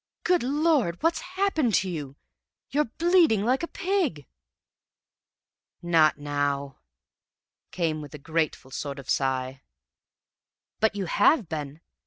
Good Lord! What's happened to you? You're bleeding like a pig!' "'Not now,' came with a grateful sort of sigh. "'But you have been!